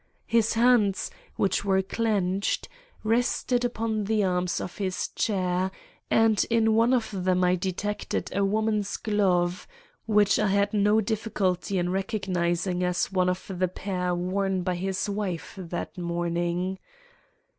His hands, which were clenched, rested upon the arms of his chair, and in one of them I detected a woman's glove, which I had no difficulty in recognizing as one of the pair worn by his wife this morning.